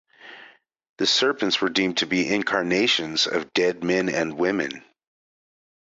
The serpents were deemed to be incarnations of dead men and women.